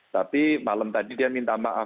tapi malam tadi dia minta maaf